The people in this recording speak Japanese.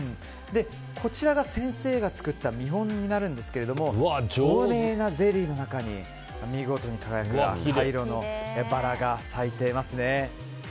こちらが先生が作った見本になるんですが透明なゼリーの中に見事に輝く赤色のバラが咲いていますね。